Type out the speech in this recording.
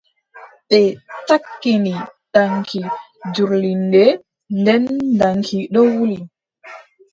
Ɓe cakkini daŋki jurlirnde, nden daŋki ɗo wuli.